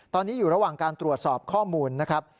ตอนนี้อยู่ระหว่างการตรวจสอบข้อมูลนะครับ